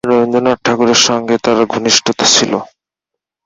রবীন্দ্রনাথ ঠাকুরের সঙ্গে তার ঘনিষ্ঠতা ছিল।